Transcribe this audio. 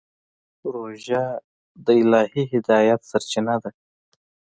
روژه د الهي هدایت سرچینه ده.